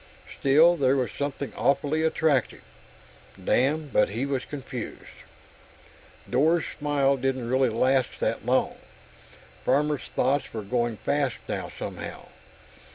Still, there was something awfully attractive.... Damn, but he was confused! Dor's smile didn't really last that long; Farmer's thoughts were going fast now, somehow.